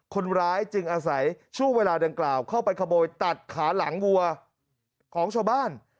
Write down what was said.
คนร้ายจึงอาศัยช่วงเวลาดังกล่าวเข้าไปขโมยตัดขาหลังวัวของชาวบ้าน